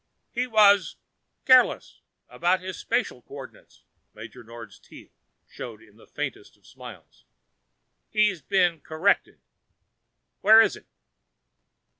"He was careless about his spatial coordinates." Major Nord's teeth showed in the faintest of smiles. "He has been corrected. Where is it?"